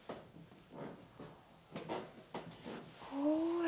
すごい。